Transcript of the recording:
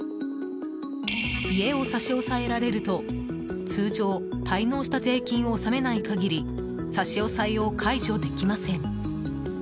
家を差し押えられると、通常滞納した税金を納めない限り差し押えを解除できません。